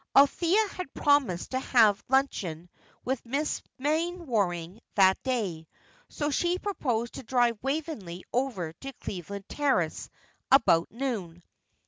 Althea had promised to have luncheon with Mrs. Mainwaring that day, so she proposed to drive Waveney over to Cleveland Terrace about noon.